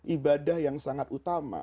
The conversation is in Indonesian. ibadah yang sangat utama